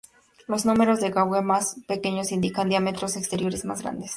Los números de gauge más pequeños indican diámetros exteriores más grandes.